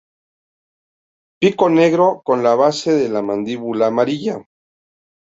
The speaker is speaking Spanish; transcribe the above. Pico negro, con la base de la mandíbula amarilla.